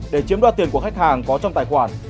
để chiếm đoạt tiền của khách hàng có trong tài khoản